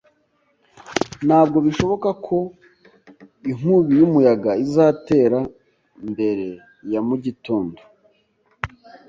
Ntabwo bishoboka ko inkubi y'umuyaga izatera mbere ya mu gitondo